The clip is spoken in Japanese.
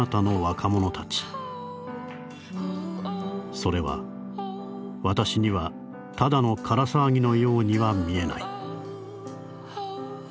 それは私にはただの空騒ぎのようには見えない」。